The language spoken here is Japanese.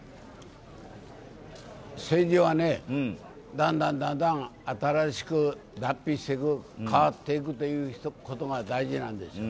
政治はね、だんだんだんだん新しく脱皮していく、変わっていくことが大事なんですよ。